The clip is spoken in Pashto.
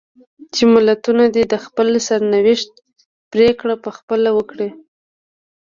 چې ملتونه دې د خپل سرنوشت پرېکړه په خپله وکړي.